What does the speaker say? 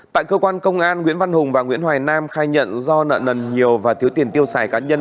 tại cơ quan công an nguyễn văn hùng và nguyễn hoài nam khai nhận do nợ nần nhiều và thiếu tiền tiêu xài cá nhân